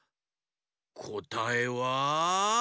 こたえは。